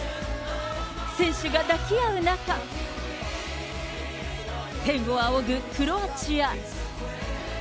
選手が抱き合う中、天をあおぐクロアチア。